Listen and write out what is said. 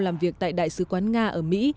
làm việc tại đại sứ quán nga ở mỹ